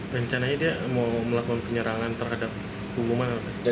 rencananya dia mau melakukan penyerangan terhadap pengumuman atau